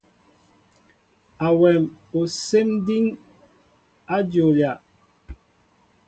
Awém osɛm diŋ a jolia.